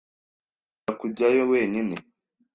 Urashobora kujyayo wenyine.